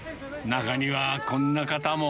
中にはこんな方も。